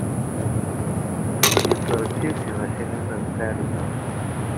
Yettṛekkib timacinin n tarda.